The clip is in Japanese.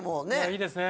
いいですね。